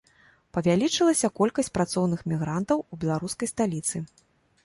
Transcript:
Павялічылася колькасць працоўных мігрантаў у беларускай сталіцы.